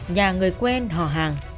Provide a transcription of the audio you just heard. nhà người quen họ hàng